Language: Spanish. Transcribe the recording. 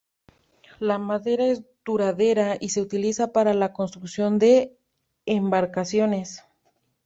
La madera es duradera y se utiliza para la construcción de embarcaciones.